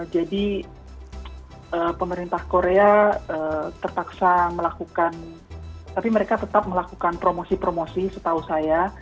jadi pemerintah korea tertaksa melakukan tapi mereka tetap melakukan promosi promosi setahu saya